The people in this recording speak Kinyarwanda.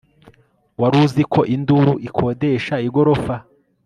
waruziko Induru ikodesha igorofa